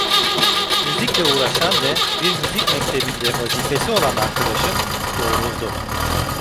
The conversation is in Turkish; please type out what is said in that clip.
Müzikle uğraşan ve bir müzik mektebinde vazifesi olan arkadaşım doğruldu.